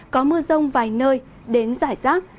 có mưa rông vài nơi đến rải rác